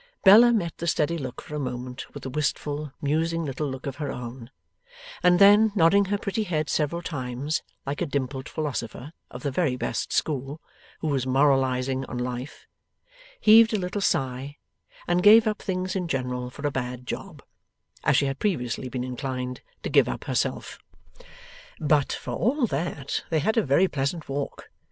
Bella met the steady look for a moment with a wistful, musing little look of her own, and then, nodding her pretty head several times, like a dimpled philosopher (of the very best school) who was moralizing on Life, heaved a little sigh, and gave up things in general for a bad job, as she had previously been inclined to give up herself. But, for all that, they had a very pleasant walk.